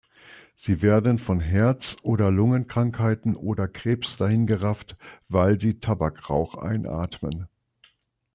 Sie werden von Herzoder Lungenkrankheiten oder Krebs dahingerafft, weil sie Tabakrauch einatmen.